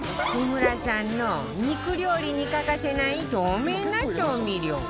木村さんの肉料理に欠かせない透明な調味料